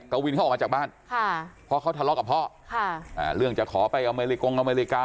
กวินเขาออกมาจากบ้านเพราะเขาทะเลาะกับพ่อเรื่องจะขอไปอเมริกงอเมริกา